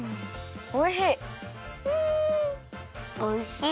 おいしい。